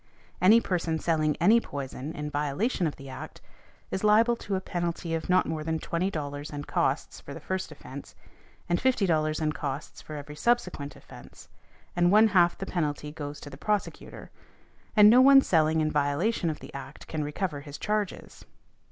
|186| Any person selling any poison, in violation of the Act, is liable to a penalty of not more than $20 and costs for the first offence, and $50 and costs for every subsequent offence; and one half of the penalty goes to the prosecutor; and no one selling in violation of the Act can recover his charges.